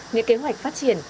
những kế hoạch phát triển